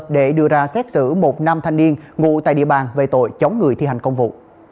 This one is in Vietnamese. để đưa ra xét xử một nam thanh niên ngụ tại địa bàn về tội chống người thi hành công vụ